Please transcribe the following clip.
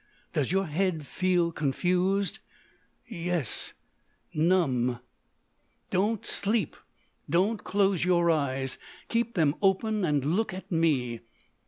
Does your head feel confused?" "Yes—numb." "Don't sleep! Don't close your eyes! Keep them open and look at me!"